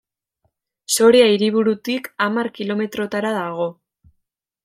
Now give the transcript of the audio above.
Soria hiriburutik hamar kilometrotara dago.